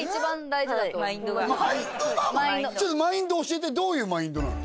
マインドを教えてどういうマインドなの？